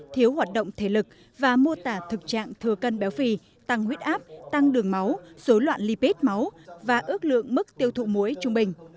thiếu hoạt động thể lực và mô tả thực trạng thừa cân béo phì tăng huyết áp tăng đường máu dối loạn lipid máu và ước lượng mức tiêu thụ muối trung bình